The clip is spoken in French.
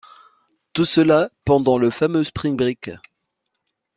Tout cela, pendant le fameux Springbreak...